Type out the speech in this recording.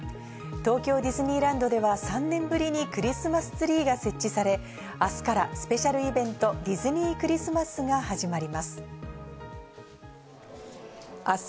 東京ディズニーランドでは３年ぶりにクリスマスツリーが設置され、明日からスペシャルイベント、ディズニー・クリスマスが始まります。